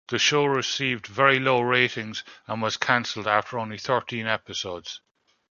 The show received very low ratings and was canceled after only thirteen episodes.